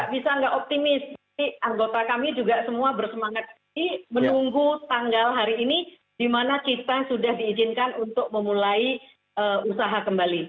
bisa nggak optimis anggota kami juga semua bersemangat menunggu tanggal hari ini di mana kita sudah diizinkan untuk memulai usaha kembali